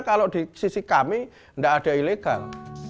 kalau di sisi kami tidak ada ilegal